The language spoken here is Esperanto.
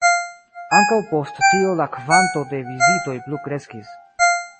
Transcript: Ankaŭ post tio la kvanto de vizitoj plu kreskis.